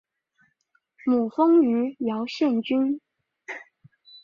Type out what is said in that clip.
母封余姚县君。